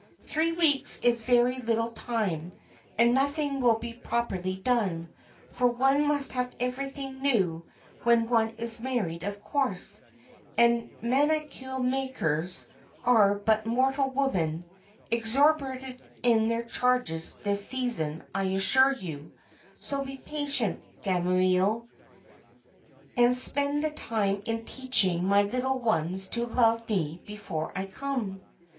"Three weeks is very little time, and nothing will be properly done, for one must have everything new when one is married of course, and mantua makers are but mortal women (exorbitant in their charges this season, I assure you), so be patient, Gamaliel, and spend the time in teaching my little ones to love me before I come."